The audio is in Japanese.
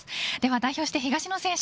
代表して、東野選手